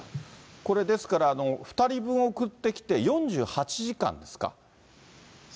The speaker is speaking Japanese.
これ、ですから２人分送ってきて、４８時間ですか。